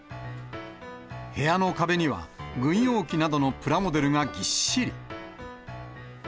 部屋の壁には軍用機などのプラモデルがぎっしり。